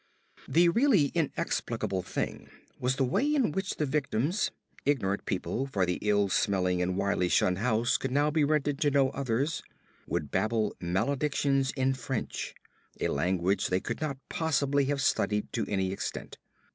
The really inexplicable thing was the way in which the victims ignorant people, for the ill smelling and widely shunned house could now be rented to no others would babble maledictions in French, a language they could not possibly have studied to any extent.